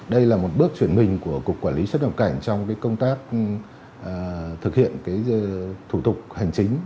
đây là một bước chuyển mình của cục quản lý xuất nhập cảnh trong công tác thực hiện thủ tục hành chính